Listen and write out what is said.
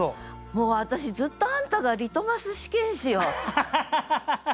もう私ずっとあんたがリトマス試験紙よ。